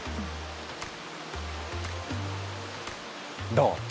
どう？